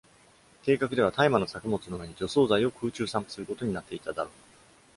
計画では大麻の作物の上に除草剤を空中散布することになっていただろう。